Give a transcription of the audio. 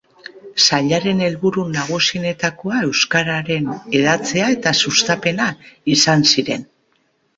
Sailaren helburu nagusienetakoa euskararen hedatzea eta sustapena izan ziren.